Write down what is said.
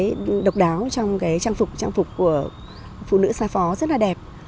có những cái độc đáo trong cái trang phục trang phục của phụ nữ xa phó rất là đẹp